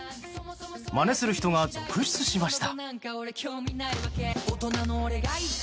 まねする人が続出しました。